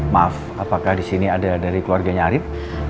maaf apakah disini ada dari keluarganya arin